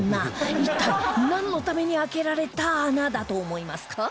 一体なんのために開けられた穴だと思いますか？